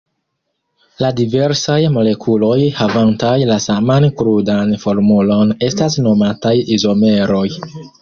La diversaj molekuloj havantaj la saman krudan formulon estas nomataj izomeroj.